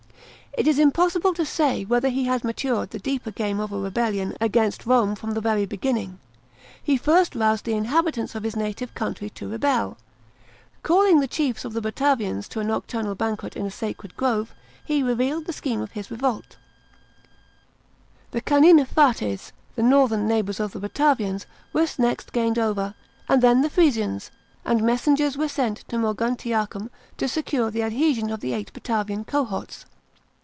It is impossible to say whether he had matured the deeper game of a rebellion against Rome from the very beginning. He first roused the inhabitants of his native country to rebel. Calling the chiefs of the Batavians to a nocturnal banquet in a sacred grove, he revealed his scheme of revolt. The Cannitiefates, the northern neighbours of the Batavians, were next gained over, arid then the Frisians ; and messengers w« re sent to Moguntiacum, to secure the adhesion of the eight Batavian cohorts.